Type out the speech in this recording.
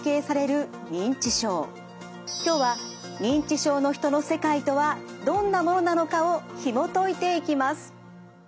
今日は認知症の人の世界とはどんなものなのかをひもといていきます。